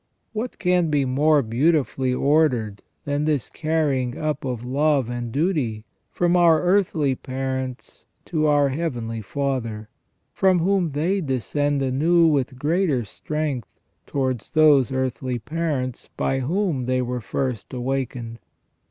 What can be more beautifully ordered than this carrying up of love and duty from our earthly parents to our Heavenly Father, from whom they descend anew with greater strength towards those earthly parents by whom they were first awakened.